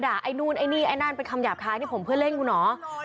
ไอ้นู่นไอ้นี่ไอ้นั่นเป็นคำหยาบคายนี่ผมเพื่อเล่นกูเหรอ